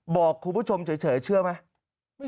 บอกคุณผู้ชมเฉยเชื่อไหม